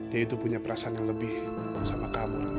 dia itu punya perasaan yang lebih sama kamu